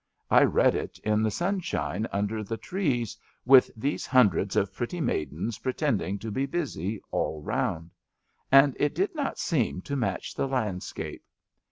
I read it in the sunshine under the trees, with these hundreds of pretty maidens pretending to be busy all round; and it did not seem to match the landscape.